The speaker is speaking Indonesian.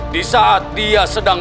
di saat dia sedang